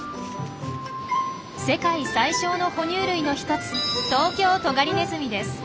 世界最小のほ乳類の一つトウキョウトガリネズミです。